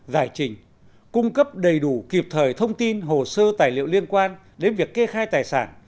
giải trình cung cấp đầy đủ kịp thời thông tin hồ sơ tài liệu liên quan đến việc kê khai tài sản